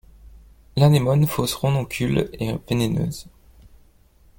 L'anémone fausse renoncule est vénéneuse.